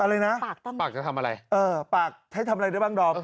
อะไรนะปากจะทำอะไรปากจะทำอะไรปากให้ทำอะไรได้บ้างดอม